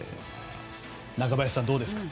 中林さん、どうですか？